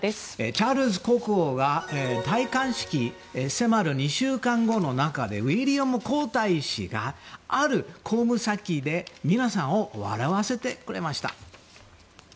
チャールズ国王が戴冠式が迫る２週間の中でウィリアム皇太子がある公務先で皆さんを笑わせてくれました。